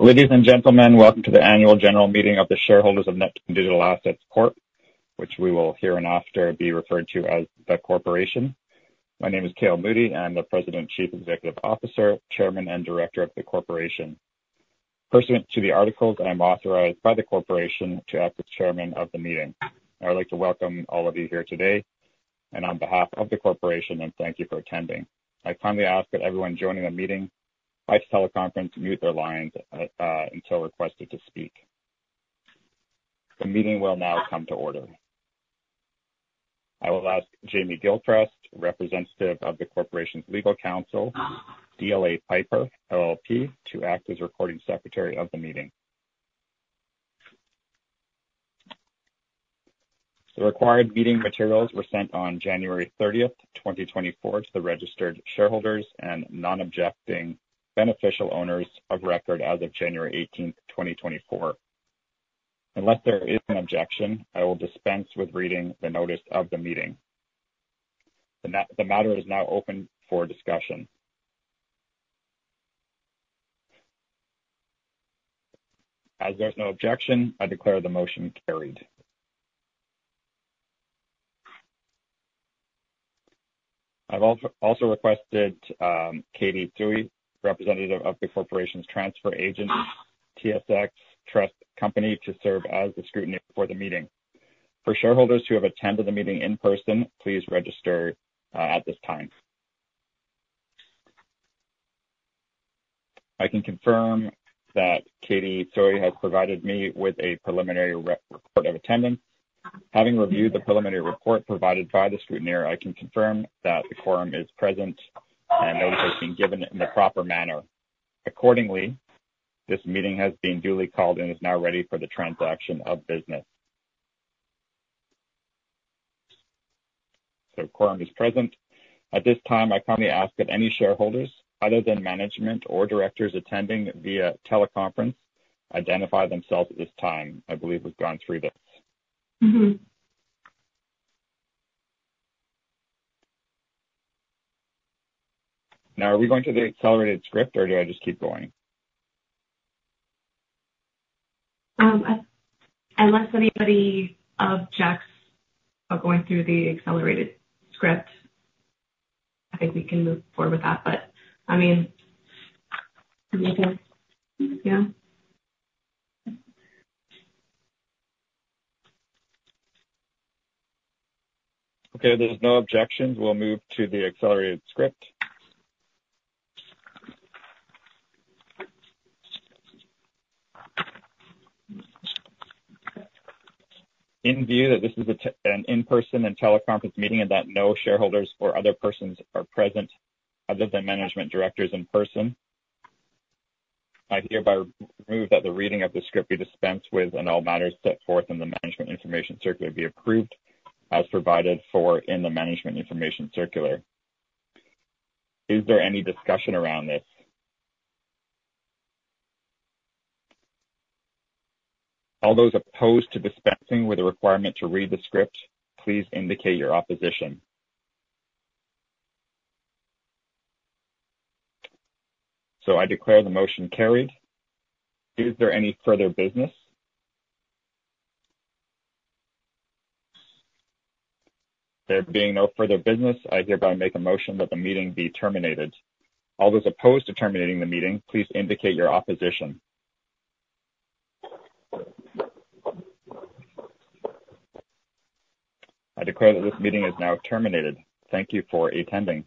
Ladies and gentlemen, welcome to the annual general meeting of the shareholders of Neptune Digital Assets Corp., which we will hereinafter be referred to as the corporation. My name is Cale Moodie. I'm the President, Chief Executive Officer, Chairman, and Director of the corporation. Pursuant to the articles, I'm authorized by the corporation to act as Chairman of the meeting. I would like to welcome all of you here today, and on behalf of the corporation, and thank you for attending. I kindly ask that everyone joining the meeting by teleconference mute their lines, until requested to speak. The meeting will now come to order. I will ask Jamey Gilchrist, representative of the corporation's legal counsel, DLA Piper LLP, to act as recording secretary of the meeting. The required meeting materials were sent on January 30th, 2024 to the registered shareholders and non-objecting beneficial owners of record as of January 18th, 2024. Unless there is an objection, I will dispense with reading the notice of the meeting. The matter is now open for discussion. As there's no objection, I declare the motion carried. I've also requested, Katie Tsui, representative of the corporation's transfer agent, TSX Trust Company, to serve as the scrutineer for the meeting. For shareholders who have attended the meeting in person, please register, at this time. I can confirm that Katie Tsui has provided me with a preliminary report of attendance. Having reviewed the preliminary report provided by the scrutineer, I can confirm that the quorum is present and notice has been given in the proper manner. Accordingly, this meeting has been duly called and is now ready for the transaction of business. Quorum is present. At this time, I kindly ask that any shareholders other than management or directors attending via teleconference identify themselves at this time. I believe we've gone through this. Are we going through the accelerated script, or do I just keep going? Unless anybody objects of going through the accelerated script, I think we can move forward with that. Okay. There's no objections. We'll move to the accelerated script. In view that this is an in-person and teleconference meeting and that no shareholders or other persons are present other than management directors in person, I hereby move that the reading of the script be dispensed with and all matters set forth in the management information circular be approved as provided for in the management information circular. Is there any discussion around this? All those opposed to dispensing with the requirement to read the script, please indicate your opposition. I declare the motion carried. Is there any further business? There being no further business, I hereby make a motion that the meeting be terminated. All those opposed to terminating the meeting, please indicate your opposition. I declare that this meeting is now terminated. Thank you for attending.